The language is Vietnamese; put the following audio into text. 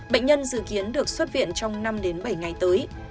bệnh nhân dự kiến được xuất viện trong năm bảy ngày tới